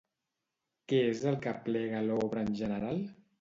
Què és el que aplega l'obra en general?